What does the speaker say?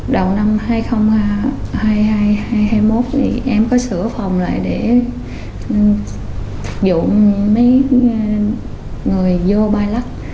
đầu năm hai nghìn hai mươi một em có sửa phòng lại để dụng mấy người vô bay lắc